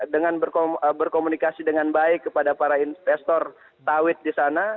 dengan berkomunikasi dengan baik kepada para investor sawit di sana